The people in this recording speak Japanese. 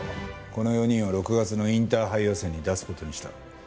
この４人を６月のインターハイ予選に出す事にした。